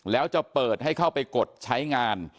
แล้วจะเปิดให้เข้าไปกดใช้งาน